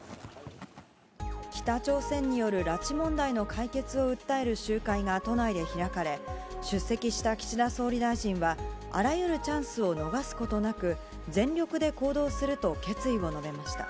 北朝鮮による拉致問題の解決を訴える集会が都内で開かれ、出席した岸田総理大臣はあらゆるチャンスを逃すことなく、全力で行動すると決意を述べました。